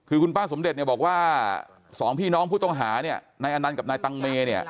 คือคุณป้าสมเด็จเนี่ยบอกว่าสองพี่น้องผู้ต้องหาเนี่ยนายอนันต์กับนายตังเมเนี่ย